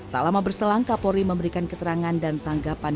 tak lama berselang kapolri memberikan keterangan dan tanggapan